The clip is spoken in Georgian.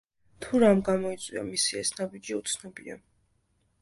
თუ რამ გამოიწვია მისი ეს ნაბიჯი, უცნობია.